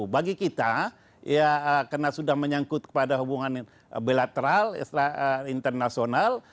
bagi kita ya karena sudah menyangkut kepada hubungan bilateral internasional